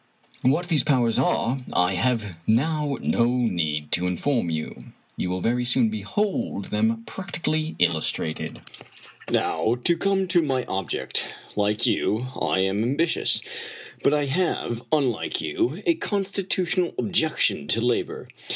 What these powers are I have now no need to inform you. . You will very soon behold them prac tically illustrated. " Now, to come to my object. Like you, I am ambi tious; but I have, unlike you, a constitutional objection to labor.